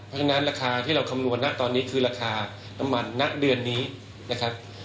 เพราะฉะนั้นราคาที่เราคำนวณนะตอนนี้คือราคาน้ำมันณเดือนนี้นะครับ